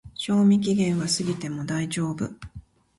賞味期限は過ぎても大丈夫